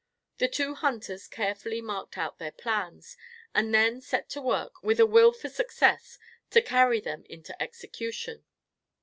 The two hunters carefully marked out their plans, and then set to work with a will for success to carry them into execution.